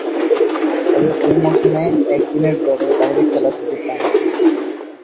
তবে, ঐ মৌসুমে একদিনের দলের বাইরে খেলার সুযোগ পাননি।